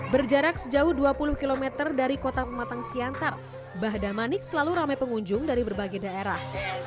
berjarak sejauh dua puluh km dari kota pematang siantar bahdamanik selalu ramai pengunjung dari berbagai daerah